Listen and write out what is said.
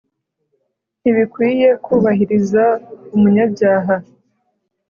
ntibikwiye kubahiriza umunyabyaha